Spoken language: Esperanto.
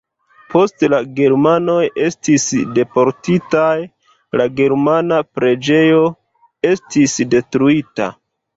Poste la germanoj estis deportitaj, la germana preĝejo estis detruita.